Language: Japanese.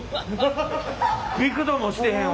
ビクともしてへんわ。